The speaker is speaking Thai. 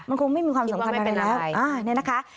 มันคงไม่มีความสำคัญอะไรแล้วนี่นะคะ